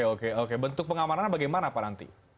oke oke bentuk pengamanannya bagaimana pak nanti